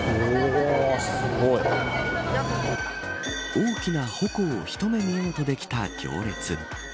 大きなほこを一目見ようとできた行列。